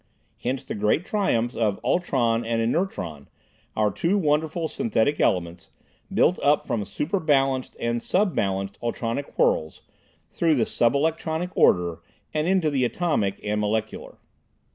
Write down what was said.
Hence the great triumphs of ultron and inertron, our two wonderful synthetic elements, built up from super balanced and sub balanced ultronic whorls, through the sub electronic order into the atomic and molecular.